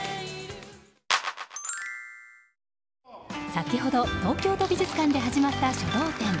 先ほど東京都美術館で始まった書道展。